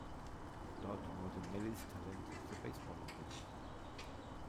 Dort wurde Nellys Talent für Baseball entdeckt.